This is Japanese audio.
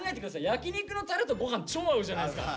焼き肉のタレとご飯超合うじゃないですか。